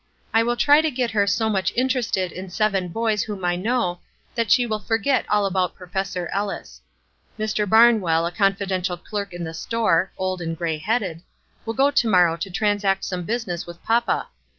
I will try to get her so much interested in seven boys whom I know that she will forget all about Professor Ellis. Mr. Barnwell a confidential clerk in the store (old and gray headed), will go to morrow to transact some business with papa.